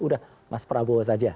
udah mas prabowo saja